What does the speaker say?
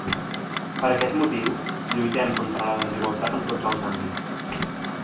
Per aquest motiu, “lluitem contra la desigualtat en tots els àmbits”.